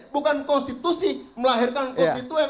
bukan konstitusi melahirkan konstitusi